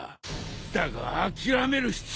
だが諦める必要はない！